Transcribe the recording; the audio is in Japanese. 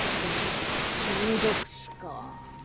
中毒死か。